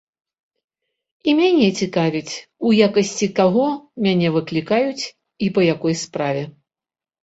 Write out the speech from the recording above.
І мяне цікавіць, у якасці каго мяне выклікаюць і па якой справе.